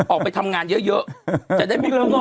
ออกไปทำงานเยอะจะได้มีภูมิก็เอง